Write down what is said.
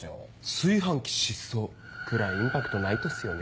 「炊飯器失踪」くらいインパクトないとっすよね。